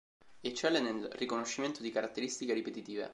Eccelle nel riconoscimento di caratteristiche ripetitive.